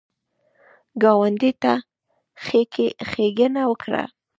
ګاونډي ته ښېګڼه وکړه